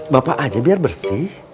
bapak aja biar bersih